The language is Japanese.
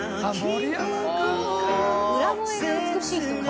裏声が美しい人が。